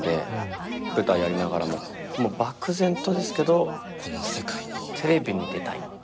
舞台やりながらももう漠然とですけどテレビに出たい。